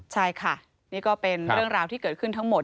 ใช่ค่ะนี่ก็เป็นเรื่องราวที่เกิดขึ้นทั้งหมด